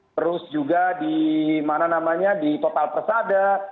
terus juga di mana namanya di total persada